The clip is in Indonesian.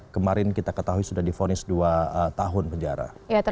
kemarin kita ketahui sudah di vonis dua tahun penjara